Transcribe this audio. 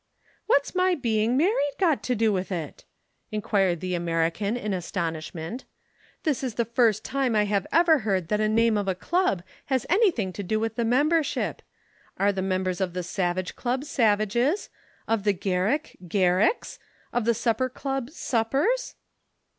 "What's my being married got to do with it?" inquired the American in astonishment. "This is the first time I have ever heard that the name of a club has anything to do with the membership. Are the members of the Savage Club savages, of the Garrick Garricks, of the Supper Club suppers?"